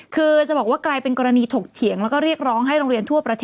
คือจะบอกว่ากลายเป็นกรณีถกเถียงแล้วก็เรียกร้องให้โรงเรียนทั่วประเทศ